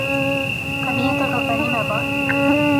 Кабинетығыҙҙа нимә бар?